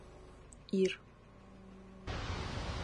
Ир.